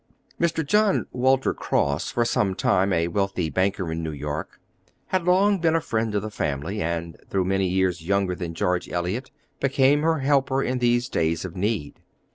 Mr. John Walter Cross, for some time a wealthy banker in New York, had long been a friend of the family, and though many years younger than George Eliot, became her helper in these days of need.